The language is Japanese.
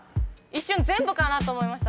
一瞬全部かなと思いました。